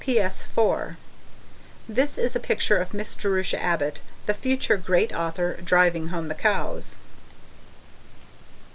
PS. (4) This is a picture of Miss Jerusha Abbott, the future great author, driving home the cows.